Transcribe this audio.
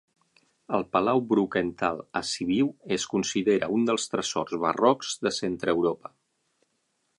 El Palau Brukenthal a Sibiu es considera un dels tresors barrocs de Centreeuropa.